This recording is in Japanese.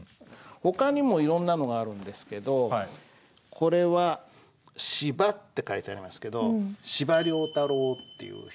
ほかにもいろんなのがあるんですけどこれは「司馬」って書いてありますけど司馬太郎という人の。